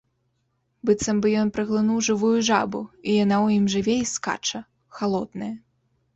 Быццам бы ён праглынуў жывую жабу і яна ў ім жыве і скача, халодная.